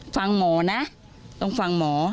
ฟังหมอนะต้องฟังหมอ